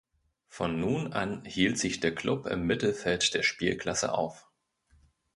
Von nun an hielt sich der Klub im Mittelfeld der Spielklasse auf.